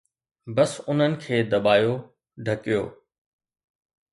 بس انهن کي دٻايو، ڍڪيو.